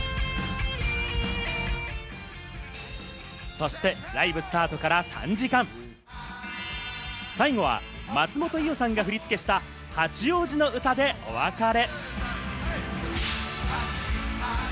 そしてライブスタートから３時間、最後は松本伊代さんが振り付けした『八王子のうた』でお別れ。